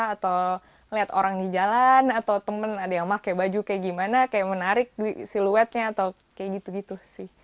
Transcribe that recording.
atau ngeliat orang di jalan atau temen ada yang pakai baju kayak gimana kayak menarik siluetnya atau kayak gitu gitu sih